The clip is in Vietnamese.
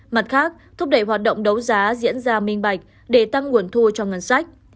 mặt khác thúc đẩy hoạt động đấu giá diễn ra minh bạch để tăng nguồn thu cho ngân sách